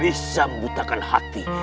bisa membutakan hati